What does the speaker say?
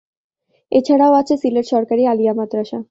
এছাড়াও আছে সিলেট "সরকারি আলিয়া মাদরাসা"।